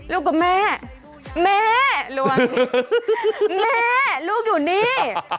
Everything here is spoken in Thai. ลูกกับแม่แม่หลวงแม่ลูกอยู่นี่